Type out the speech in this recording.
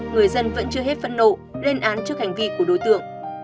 người dân vẫn chưa hết phẫn nộ lên án trước hành vi của đối tượng